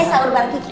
eh saur baru